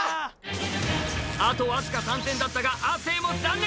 あと僅か３点だったが亜生も残念！